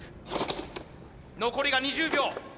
残りが２０秒。